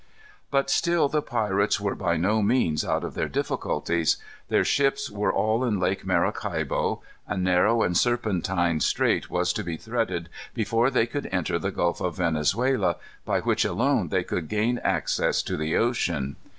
But still the pirates were by no means out of their difficulties. Their ships were all in Lake Maracaibo. A narrow and serpentine strait was to be threaded before they could enter the Gulf of Venezuela, by which alone they could gain access to the ocean.